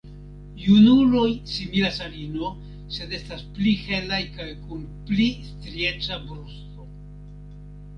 Junuloj similas al ino, sed estas pli helaj kaj kun pli strieca brusto.